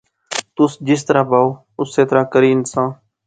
تس جس طرح بائو اسے طرح کری ہنساں